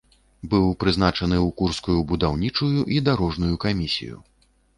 Быў прызначаны ў курскую будаўнічую і дарожную камісію.